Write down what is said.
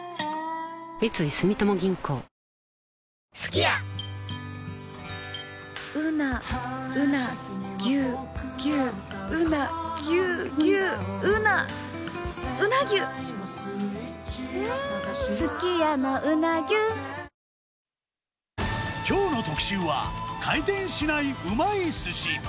きょうの特集は、回転しないうまいすし。